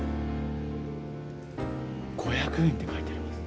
「５００ＹＥＮ」って書いてあります。